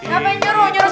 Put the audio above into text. siapa yang nyuruh